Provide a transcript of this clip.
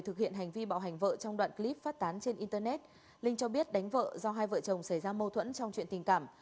trong đoạn clip phát tán trên internet linh cho biết đánh vợ do hai vợ chồng xảy ra mâu thuẫn trong chuyện tình cảm